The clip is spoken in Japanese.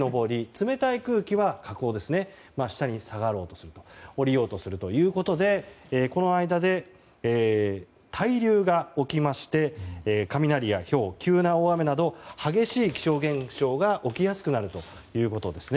冷たい空気は下降気流として下に降りようとするということでこの間で対流が起きまして雷やひょう、急な大雨など激しい気象現象が起きやすくなるということです。